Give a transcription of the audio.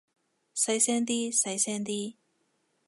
細聲啲，細聲啲